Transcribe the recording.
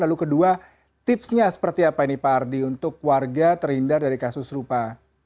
lalu kedua tipsnya seperti apa ini pak ardi untuk warga terhindar dari kasus serupa